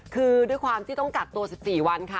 คือด้วยความที่ต้องกักตัว๑๔วันค่ะ